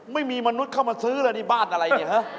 ไม่มีมนุษย์เข้ามาซื้อเลยดีบ้าจนี่อะไร